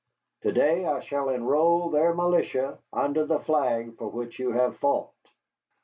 To day I shall enroll their militia under the flag for which you have fought."